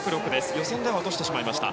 予選より落としてしまいました。